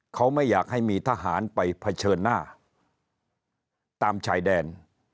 เขาไม่อยากให้มีทหารไปเผชิญหน้าตามชายแดน